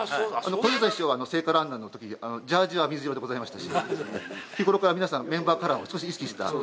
小遊三師匠は聖火ランナーのとき、ジャージは水色でございましたし、日ごろから皆さん、メンバーカラーを少し意識した。